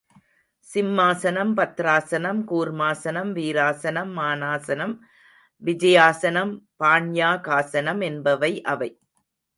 சிம்மாசனம், பத்ராசனம், கூர்மாசனம், வீராசனம், மனாசனம், விஜயாசனம், பாண்யாகாசனம் என்பவை அவை.